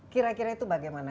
kira kira itu bagaimana